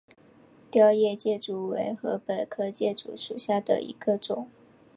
凋叶箭竹为禾本科箭竹属下的一个种。